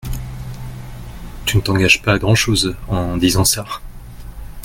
Tu ne t’engages pas à grand’chose en disant ça !